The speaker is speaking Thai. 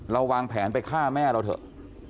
วางแผนไปฆ่าแม่เราเถอะ